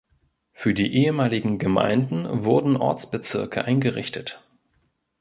Für die ehemaligen Gemeinden wurden Ortsbezirke eingerichtet.